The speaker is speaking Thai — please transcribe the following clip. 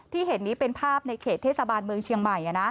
เห็นนี้เป็นภาพในเขตเทศบาลเมืองเชียงใหม่